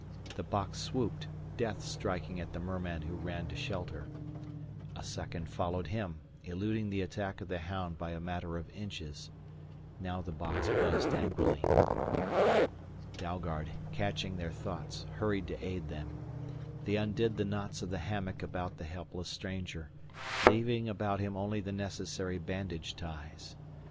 The box swooped, death striking at the merman who ran to shelter. A second followed him, eluding the attack of the hound by a matter of inches. Now the box buzzed angrily. Dalgard, catching their thoughts, hurried to aid them. They undid the knots of the hammock about the helpless stranger, leaving about him only the necessary bandage ties.